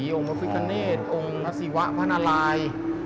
พระแกโปรฺศีองค์วฤิคเนตองค์วิสัีวะภานลาย